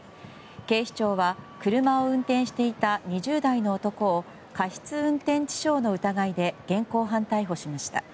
警視庁は車を運転していた２０代の男を過失運転致傷の疑いで現行犯逮捕しました。